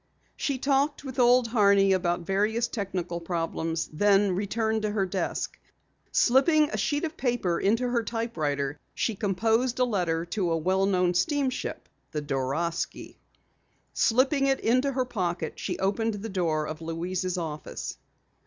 She talked with Old Horney about various technical problems, then returned to her desk. Slipping a sheet of paper into her typewriter, she composed a letter to a well known steamship, the Dorasky. Slipping it into her pocket, she opened the door of Louise's office.